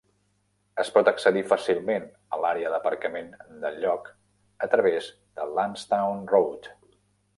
Es pot accedir fàcilment a l'àrea d'aparcament del lloc a través de Landstown Road.